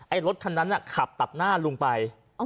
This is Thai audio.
รถคันนั้นขับตัดหน้าลุงไป